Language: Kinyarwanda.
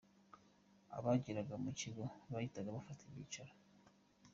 Abageraga mu kigo bahitaga bafata ibyicaro.